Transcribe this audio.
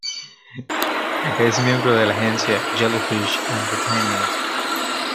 Es miembro de la agencia "Jellyfish Entertainment".